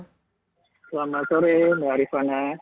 selamat sore mbak arifana